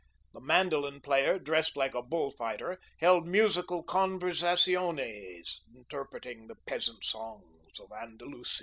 The mandolin player, dressed like a bull fighter, held musical conversaziones, interpreting the peasant songs of Andalusia.